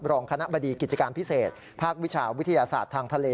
รองคณะบดีกิจการพิเศษภาควิชาวิทยาศาสตร์ทางทะเล